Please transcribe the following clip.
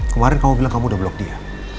kemarin kamu bilang kamu udah blok dia